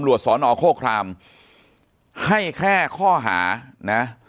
ปากกับภาคภูมิ